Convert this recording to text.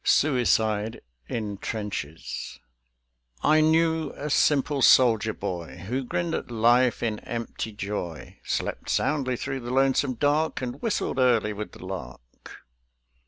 SUICIDE IN TRENCHES I knew a simple soldier boy Who grinned at life in empty joy, Slept soundly through the lonesome dark, And whistled early with the lark.